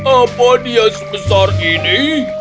apa dia sebesar ini